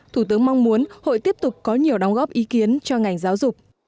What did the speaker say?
thủ tướng mong muốn hội tiếp tục có nhiều đóng góp ý kiến cho ngành giáo dục